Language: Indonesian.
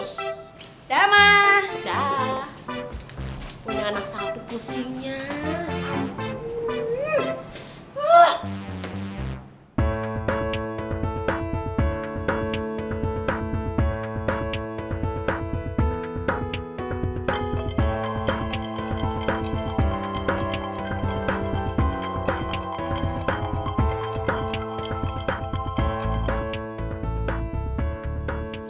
selamat pagi reva